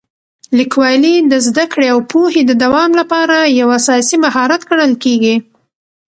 لیکوالی د زده کړې او پوهې د دوام لپاره یو اساسي مهارت ګڼل کېږي.